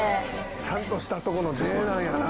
ちゃんとしたとこの出なんやな。